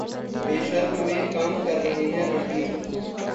'बेशर्म' में काम कर रहे हैं रणबीर कपूर